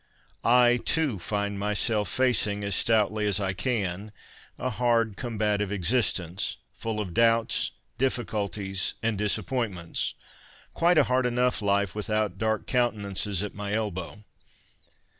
I, too, ' find myself facing as stoutly as I can a hard, combative existence, full of doubts, difficulties, and disappointments, quite a hard enough life without dark countenances at my elbow.'